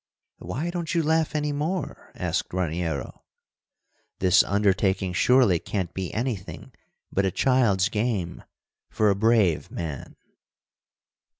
"Why don't you laugh any more?" asked Raniero. "This undertaking surely can't be anything but a child's game for a brave man."